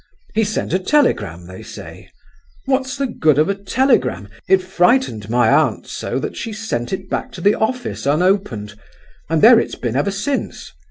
He sent a telegram, they say. What's the good of a telegram? It frightened my aunt so that she sent it back to the office unopened, and there it's been ever since!